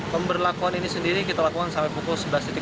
pemberlakuan ini sendiri kita lakukan sampai pukul sebelas